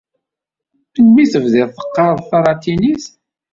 Melmi tebdiḍ teqqareḍ talatinit?